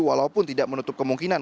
walaupun tidak menutup kemungkinan